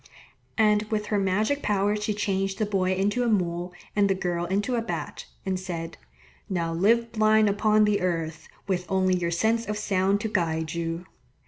And with her magic power she changed the boy into a mole and the girl into a bat, and said, "Now live blind upon the earth, with only your sense of sound to guide you."